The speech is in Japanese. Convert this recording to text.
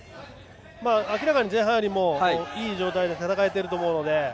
明らかに前半よりもいい状態で戦えていると思うので。